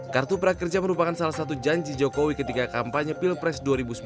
kartu prakerja merupakan salah satu janji jokowi ketika kampanye pilpres dua ribu sembilan belas